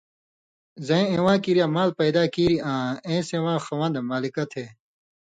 زَیں اِواں کریا مال پیدا کیریۡ آں اېں سِواں خوَندہۡ (مالِکہ) تھہ۔